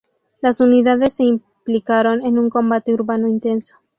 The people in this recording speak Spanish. Las unidades se implicaron en un combate urbano intenso.